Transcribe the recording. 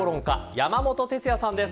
山本哲也さんです。